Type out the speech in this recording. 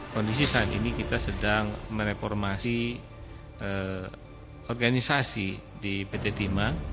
kondisi saat ini kita sedang mereformasi organisasi di pt timah